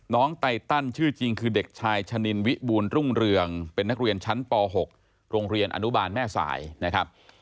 ไตตันชื่อจริงคือเด็กชายชะนินวิบูรณรุ่งเรืองเป็นนักเรียนชั้นป๖โรงเรียนอนุบาลแม่สายนะครับ